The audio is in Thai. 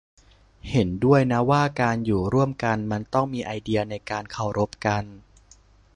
เห็นด้วยนะว่าการอยู่ร่วมกันมันต้องมีไอเดียในการเคารพกัน